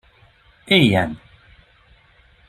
Éljen!